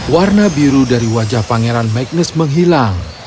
warna biru dari wajah pangeran magnus menghilang